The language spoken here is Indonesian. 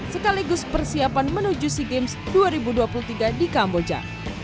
sekaligus persiapan menuju sea games dua ribu dua puluh tiga di kamboja